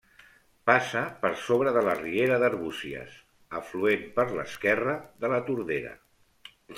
Passa per sobre de la riera d'Arbúcies, afluent per l'esquerra de la Tordera.